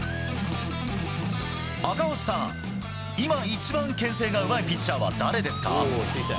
赤星さん、今一番牽制がうまいピッチャーは誰ですか？